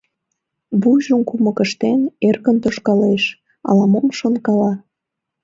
Вуйжым кумык ыштен, эркын тошкалеш, ала-мом шонкала.